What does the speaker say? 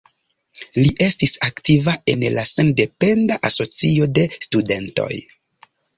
Li estis aktiva en la Sendependa Asocio de Studentoj.